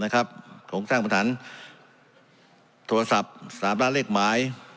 โครงสร้างบนฐานโทรศัพท์สามารถเลขหมาย